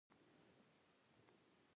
پر تبۍ او تبخي موږ مړۍ پخوو